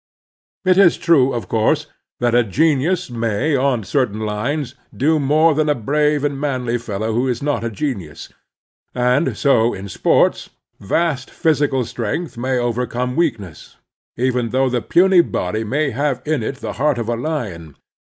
It is true, of cotu'se, that a genius may, on certain lines, do more than a brave and manly fellow who is not a genius; and so, in sports, vast physical strength may overcome weakness, even though the puny body may have in it the heart of a lion.